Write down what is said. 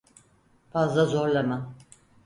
Fazla zorlama.